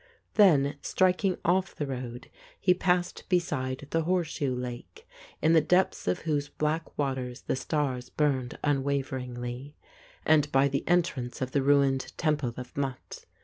Then, striking off the road, he passed beside the horseshoe lake, in the depths of whose black waters the stars burned unwaveringly, and by the entrance of the ruined temple of Mut.